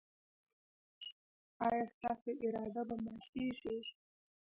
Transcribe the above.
ایا ستاسو اراده به ماتیږي؟